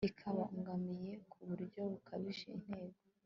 kibangamiye ku buryo bukabije intego